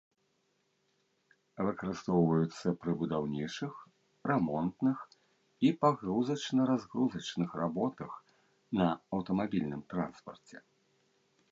Выкарыстоўваюцца пры будаўнічых, рамонтных і пагрузачна-разгрузачных работах, на аўтамабільным транспарце.